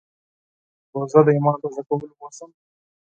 روژه د ایمان تازه کولو موسم دی.